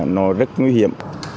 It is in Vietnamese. nó rất nguy hiểm